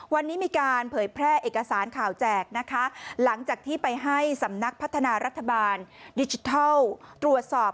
วันนี้มีการเผยแพร่เอกสารข่าวแจกนะคะหลังจากที่ไปให้สำนักพัฒนารัฐบาลดิจิทัลตรวจสอบ